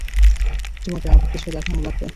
তোমাকে আরো কিছু দেখানো লাগবে।